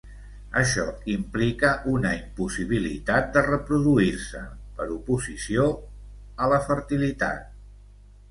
Això implica una impossibilitat de reproduir-se, per oposició a la fertilitat.